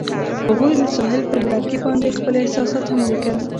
هغوی د ساحل پر لرګي باندې خپل احساسات هم لیکل.